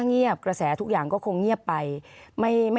ขอบคุณครับ